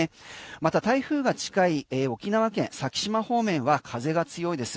また台風が近い沖縄県先島方面は風が強いです。